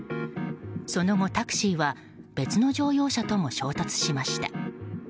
その後、タクシーは別の乗用車とも衝突しました。